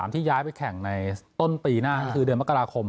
ที่ย้ายไปแข่งในต้นปีหน้าก็คือเดือนมกราคม